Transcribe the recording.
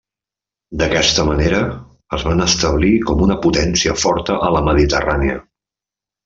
D'aquesta manera, es van establir com una potència forta a la Mediterrània.